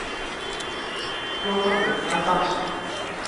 京都府南丹市